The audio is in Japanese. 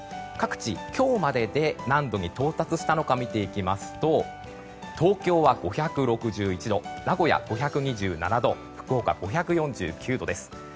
各地、今日までで何度に到達したのか見ていきますと東京は５６１度名古屋５２７度福岡５４９度です。